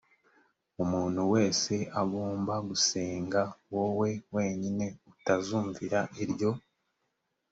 umuntu wese agomba gusenga wowe wenyine utazumvira iryo